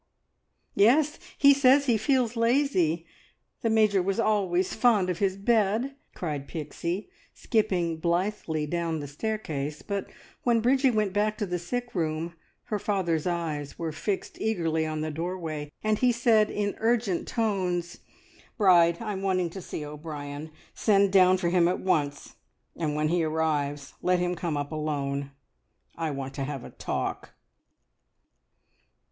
"Yes, he says he feels lazy! The Major was always fond of his bed!" cried Pixie, skipping blithely down the staircase; but when Bridgie went back to the sick room her father's eyes were fixed eagerly on the doorway, and he said in urgent tones "Bride, I'm wanting to see O'Brien! Send down for him at once, and when he arrives, let him come up alone. I want to have a talk!"